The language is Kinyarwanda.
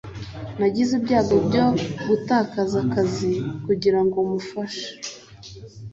Nagize ibyago byo gutakaza akazi kugirango mumfashe.